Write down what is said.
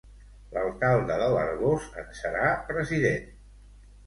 L'alcalde de l'Arboç en serà president.